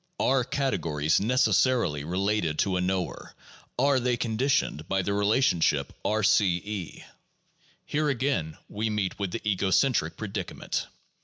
Are categories necessarily related to a knower, are they conditioned by the relationship R C (E)1 Here again we meet with the ego centric predicament.